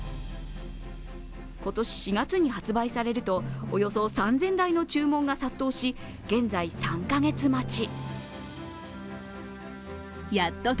今年４月に発売されると、およそ３０００台の注文が殺到し、現在、３カ月待ち。